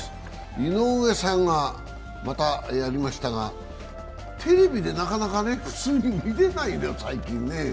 井上さんがまたやりましたが、テレビでなかなか普通に見れないんだよね、最近ね。